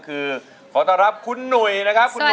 คือขอต้อนรับคุณหนุ่ยนะครับคุณหนุ